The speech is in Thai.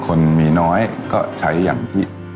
ส่วนความเพียงเราก็ถูกพูดอยู่ตลอดเวลาในเรื่องของความพอเพียง